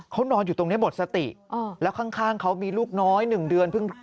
เขานอนอยู่ตรงนี้หมดสติแล้วข้างเขามีลูกน้อย๑เดือน